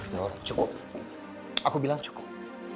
nah cukup aku bilang cukup